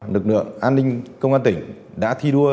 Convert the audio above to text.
lực lượng an ninh công an tỉnh đã thi đua